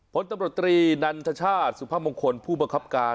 ผลตำรวจตรีนันทชาติสุพมงคลผู้บังคับการ